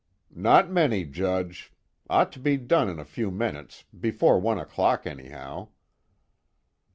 "Not many, Judge. Ought to be done in a few minutes, before one o'clock anyhow."